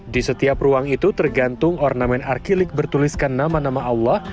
di setiap ruang itu tergantung ornamen arkilik bertuliskan nama nama allah